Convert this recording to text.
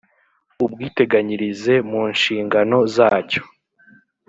ubwiteganyirize mu nshingano zacyo